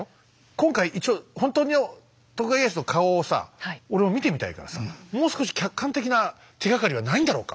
今回一応ほんとの徳川家康の顔をさ俺も見てみたいからさもう少し客観的な手がかりはないんだろうか。